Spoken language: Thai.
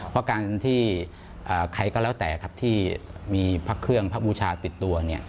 เพราะการที่ใครก็แล้วแต่ครับที่มีพระเครื่องพระบูชาติดตัว